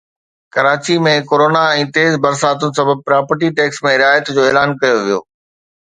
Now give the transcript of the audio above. Karachi ۾ corona ۽ تيز برساتن سبب پراپرٽي ٽيڪس ۾ رعايت جو اعلان ڪيو ويو